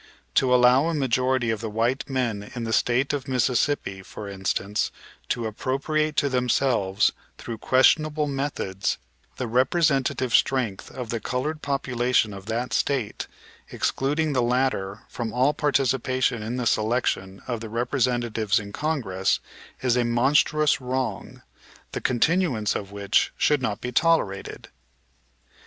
To allow a majority of the white men in the State of Mississippi, for instance, to appropriate to themselves through questionable methods the representative strength of the colored population of that State, excluding the latter from all participation in the selection of the representatives in Congress, is a monstrous wrong, the continuance of which should not be tolerated.